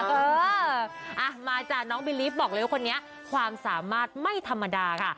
เอออ่ะมาจ้ะน้องบิลิฟต์บอกเลยว่าคนนี้ความสามารถไม่ธรรมดาค่ะ